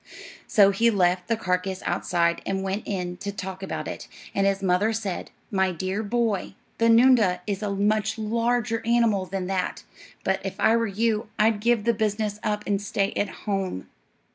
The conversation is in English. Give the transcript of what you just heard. So he left the carcass outside and went in to talk about it, and his mother said, "My dear boy, the noondah is a much larger animal than that; but if I were you, I'd give the business up and stay at home."